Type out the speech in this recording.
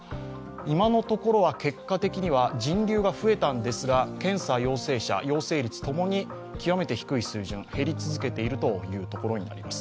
今のところは結果的には人流は増えたんですが検査陽性者陽性率共に極めて低い水準減り続けているというところになります。